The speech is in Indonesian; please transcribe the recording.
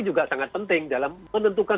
juga sangat penting dalam menentukan